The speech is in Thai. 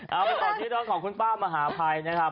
เอาไปต่อที่เรื่องของคุณป้ามหาภัยนะครับ